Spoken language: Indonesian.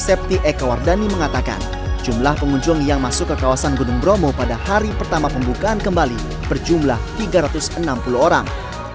septi ekawardani mengatakan jumlah pengunjung yang masuk ke kawasan gunung bromo pada hari pertama pembukaan kembali berjumlah tiga ratus enam puluh orang